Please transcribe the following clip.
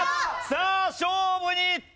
さあ勝負にいった！